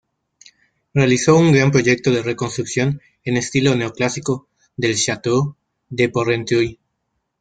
Realizó un gran proyecto de reconstrucción en estilo neoclásico del Château de Porrentruy.